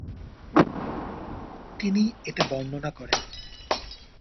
তিনি এতে বর্ণনা করেন।